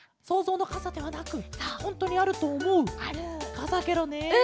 かさケロねえ。